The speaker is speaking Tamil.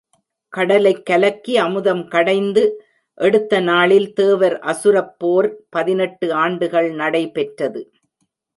கடலைக் கலக்கி அமுதம் கடைந்து எடுத்த நாளில் தேவர் அசுரப் போர் பதினெட்டு ஆண்டுகள் நடைபெற்றது.